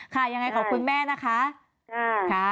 ยังไงขอบคุณแม่นะคะ